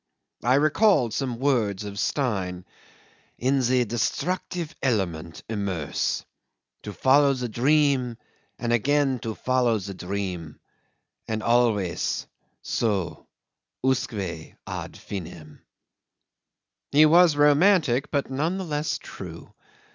I recalled some words of Stein's. ... "In the destructive element immerse! ... To follow the dream, and again to follow the dream and so always usque ad finem ..." He was romantic, but none the less true.